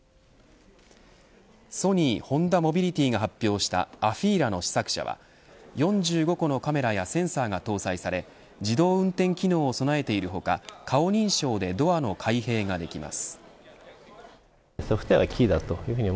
ソニー・ホンダモビリティが発表したＡＦＥＥＬＡの試作車は４５個のカメラやセンサーが搭載され自動運転機能を備えている他顔認証でドアの開閉ができます。